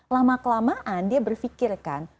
lama kelamaan dia berpikir kan